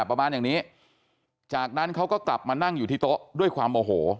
ประมาณอย่างนี้จากนั้นเขาก็กลับมานั่งอยู่ที่โต๊ะด้วยความโมโห